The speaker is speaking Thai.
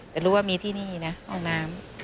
แต่รู้ว่ามีที่นี่นะห้องน้ำ